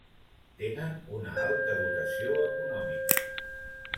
Tenen una alta dotació econòmica.